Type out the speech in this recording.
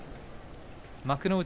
幕内